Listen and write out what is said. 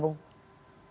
terima kasih banyak banyak